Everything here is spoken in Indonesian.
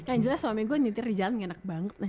kan jelas suami gue nyetir di jalan gak enak banget